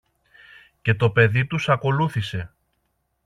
Και το παιδί τους ακολούθησε.